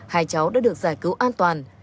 hai cháu đã được giải cứu an toàn